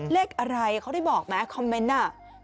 เลขอะไรเขาได้บอกไหมคอมเมนต์น่ะ